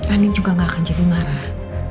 angin juga gak akan jadi marah